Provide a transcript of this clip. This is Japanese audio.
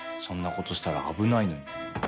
そんなことしたら危ないのに。